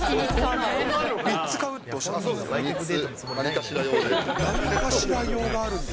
３つ買うっておっしゃってたそうです、３つ。